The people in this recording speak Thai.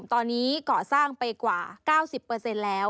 ตอนนี้ก่อสร้างไปกว่า๙๐แล้ว